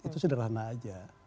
itu sederhana aja